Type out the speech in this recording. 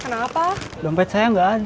kalau nggak kamu nanti yang saya cari